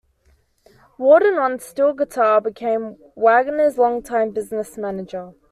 Warden, on steel guitar, became Wagoner's long-time business manager.